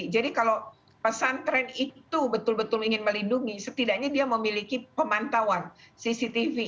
jadi kalau pesantren itu betul betul ingin melindungi setidaknya dia memiliki pemantauan cctv